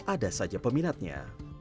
ada saja peminatnya